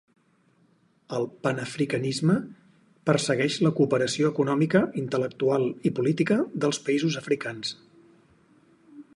El panafricanisme persegueix la cooperació econòmica, intel·lectual i política del països africans.